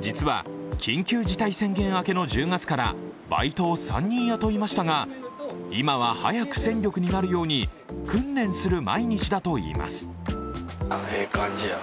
実は緊急事態宣言明けの１０月からバイトを３人雇いましたが今は早く戦力になるように訓練する毎日だといいます。